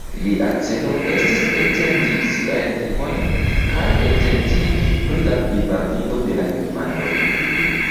Lia celo estis etendi siajn limojn, kaj atentigi pri la plivarmiĝo de la klimato.